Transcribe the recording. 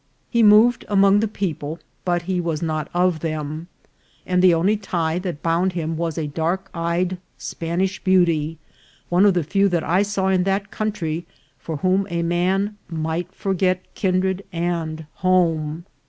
He moved among the people, but he was not of them ; and the only tie that bound him was a dark eyed Spanish beauty, one of the few that I saw in that country for whom a man might forget kindred and home.